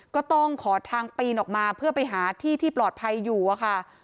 ก็ต้องขอทางปีนออกมาเพื่อไปหาที่ที่ปลอดภัยอยู่อะค่ะ